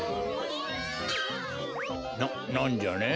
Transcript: ななんじゃね？